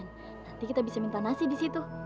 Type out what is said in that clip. nanti kita bisa minta nasi disitu